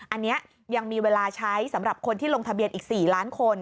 อันนี้ยังมีเวลาใช้สำหรับคนที่ลงทะเบียนอีก๔ล้านคน